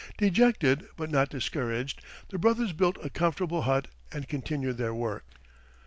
Dejected, but not discouraged, the brothers built a comfortable hut and continued their work.